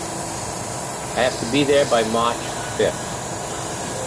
I have to be there by March fifth.